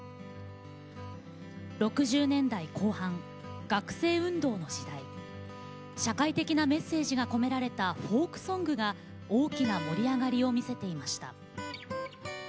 ６０年代後半、学生運動の時代社会的なメッセージが込められたフォークソングが大きな盛り上がりを見せていました。